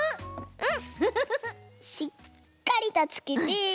うん！